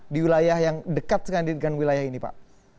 di wilayah yang dekat sekali dengan wilayah ini pak